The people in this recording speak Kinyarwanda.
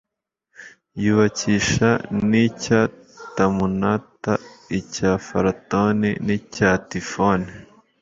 yubakisha n'icya tamunata, icya faratoni n'icya tifoni